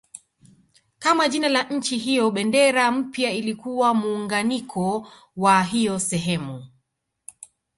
Kama jina la nchi hiyo bendera mpya ilikuwa muunganiko wa hiyo sehemu